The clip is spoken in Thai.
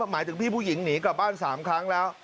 หมายถึงพี่ผู้หญิงหนีกลับบ้าน๓ครั้งแล้ว